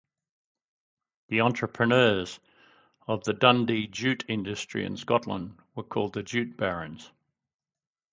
The entrepreneurs of the Dundee jute industry in Scotland were called "the Jute Barons".